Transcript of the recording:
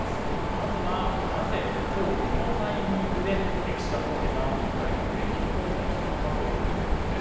まずはなぜ今日このタイミングで岸田総理がウクライナを電撃訪問したかという点です。